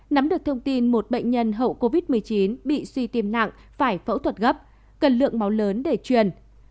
nắm được thông tin một bệnh nhân hậu covid một mươi chín bị suy tim nặng phải phẫu thuật gấp cần lượng máu lớn để truyền